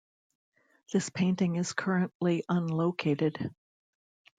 This painting is currently unlocated.